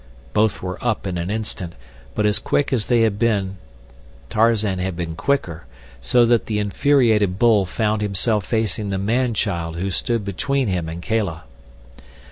Both were up in an instant, but as quick as they had been Tarzan had been quicker, so that the infuriated bull found himself facing the man child who stood between him and Kala.